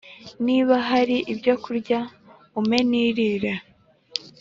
niba hari ibyo kurya, umpe nirire!